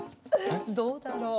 どうだろう？